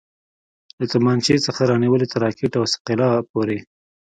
له تمانچې څخه رانيولې تر راکټ او ثقيله پورې.